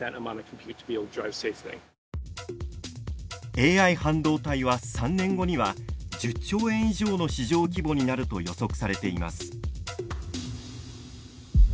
ＡＩ半導体は３年後には１０兆円以上の市場規模になると予測されています。